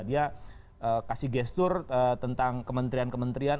dia kasih gestur tentang kementerian kementerian